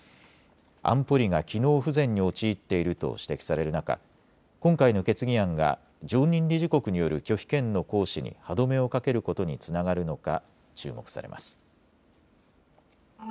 安保理が機能不全に陥っていると指摘される中、今回の決議案が常任理事国による拒否権の行使に歯止めをかけることにつながるのか注目されます。